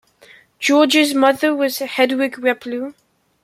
Georg's mother was Hedwig Wepler.